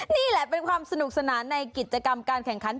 นี่แหละเป็นความสนุกสนานในกิจกรรมการแข่งขัน